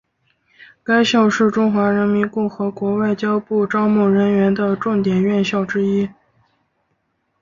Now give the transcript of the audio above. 该校是中华人民共和国外交部招募人员的重点院校之一。